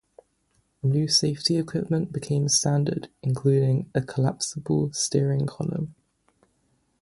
New safety equipment became standard, including a collapsible steering column.